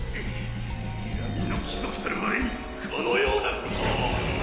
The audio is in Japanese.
闇の貴族たる我にこのようなことを。